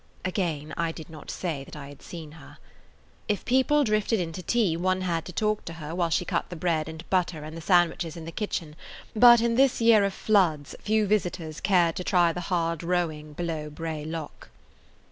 (Again I did not say that I had seen her.) If people drifted in to tea one had to talk to her while she cut the bread and butter and the sandwiches in the kitchen, but in this year of floods few visitors cared to try the hard rowing below Bray Lock.